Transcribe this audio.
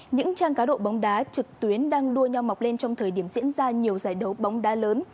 những trang cá độ bóng đá trực tuyến đang đua nhau mọc lên trong thời điểm diễn ra nhiều giải đấu